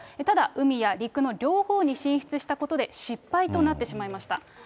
ただ、海や陸の両方に進出したことで失敗となってしまいました。